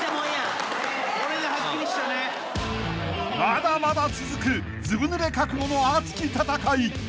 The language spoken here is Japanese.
［まだまだ続くずぶぬれ覚悟の熱き戦い］